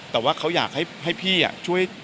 แต่ว่าเขาอยากให้พี่ช่วย